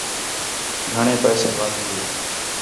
گھݨیں پیسے والی ہِے